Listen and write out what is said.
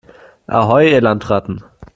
Ahoi, ihr Landratten!